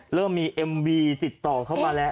เริ่มมีเอ็มวีติดต่อเข้ามาแล้ว